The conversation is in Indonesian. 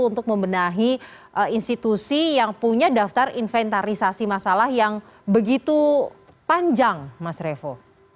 untuk membenahi institusi yang punya daftar inventarisasi masalah yang begitu panjang mas revo